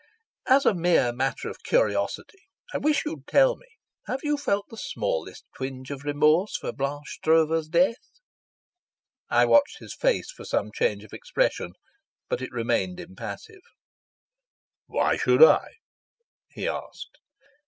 "As a mere matter of curiosity I wish you'd tell me, have you felt the smallest twinge of remorse for Blanche Stroeve's death?" I watched his face for some change of expression, but it remained impassive. "Why should I?" he asked.